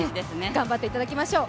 頑張っていただきましょう。